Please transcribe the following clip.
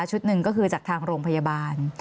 หนึ่งก็คือจากทางโรงพยาบาล